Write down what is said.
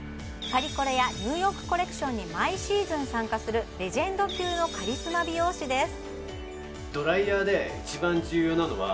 パリコレやニューヨークコレクションに毎シーズン参加するレジェンド級のカリスマ美容師です